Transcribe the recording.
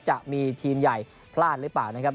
จะมีทีมใหญ่พลาดหรือเปล่านะครับ